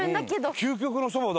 「究極のそば」だ。